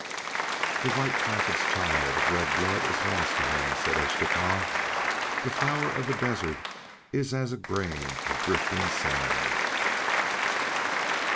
"The White Prophet's child of red blood is lost to him," said Eschtah. "The Flower of the Desert is as a grain of drifting sand."